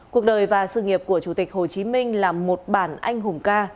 cuộc đời và sự nghiệp của chủ tịch hồ chí minh là một bản anh hùng ca